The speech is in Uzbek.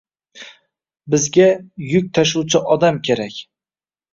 — Bizga yuk tashuvchi odam kerak!